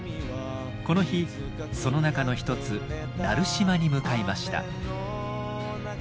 この日その中の一つ奈留島に向かいました。